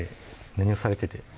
何をされてて？